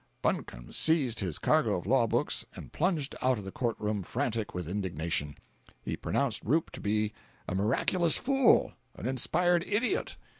Buncombe seized his cargo of law books and plunged out of the court room frantic with indignation. He pronounced Roop to be a miraculous fool, an inspired idiot.